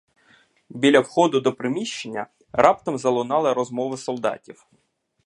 Біля входу до приміщення раптом залунала розмова солдатів.